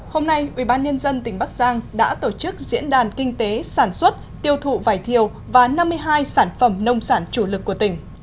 hôm nay ubnd tỉnh bắc giang đã tổ chức diễn đàn kinh tế sản xuất tiêu thụ vải thiều và năm mươi hai sản phẩm nông sản chủ lực của tỉnh